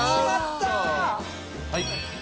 はい！